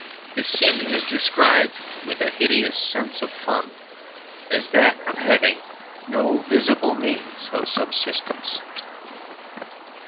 His sin is described (with a hideous sense of fun) as that of having no visible means of subsistence.